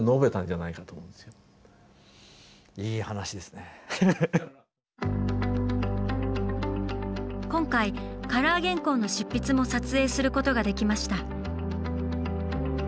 だから今回カラー原稿の執筆も撮影することができました。